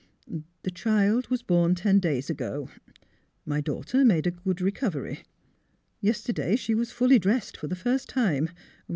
" The child was born ten days ago. My daugh ter made a good recovery. Yesterday she was fully dressed for the first time.